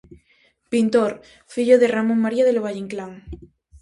Pintor, fillo de Ramón María del Valle-Inclán.